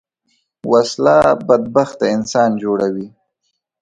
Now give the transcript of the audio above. وسله بدبخته انسان جوړوي